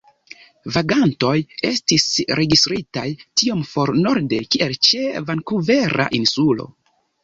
Vagantoj estis registritaj tiom for norde kiel ĉe Vankuvera Insulo.